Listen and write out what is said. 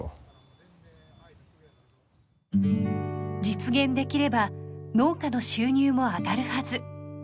実現できれば農家の収入も上がるはず。